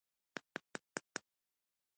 د زورورو سره شراکت کول تاوان لري.